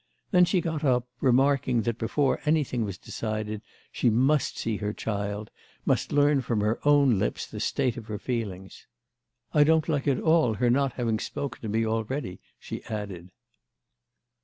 Then she got up, remarking that before anything was decided she must see her child, must learn from her own lips the state of her feelings. "I don't like at all her not having spoken to me already," she added.